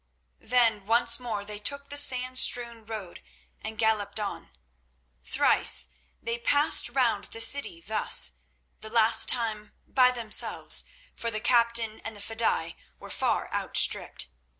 Then once more they took the sand strewn road and galloped on. Thrice they passed round the city thus, the last time by themselves, for the captain and the fedaïs were far outstripped.